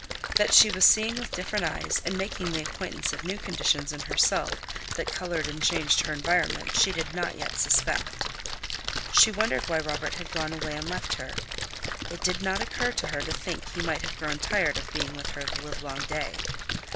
That she was seeing with different eyes and making the acquaintance of new conditions in herself that colored and changed her environment, she did not yet suspect. She wondered why Robert had gone away and left her. It did not occur to her to think he might have grown tired of being with her the livelong day.